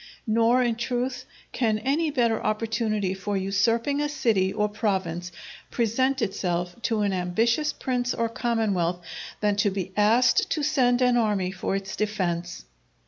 Nor, in truth, can any better opportunity for usurping a city or province present itself to an ambitious prince or commonwealth, than to be asked to send an army for its defence.